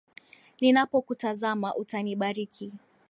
Ninapokutazama utanibariki.